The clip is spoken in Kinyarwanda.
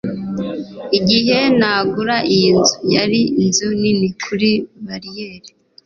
igihe nagura iyi nzu, yari inzu nini kuri bariyeri